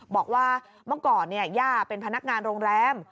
บอกว่าเมื่อก่อนย่าเป็นพนักงานโรงแรม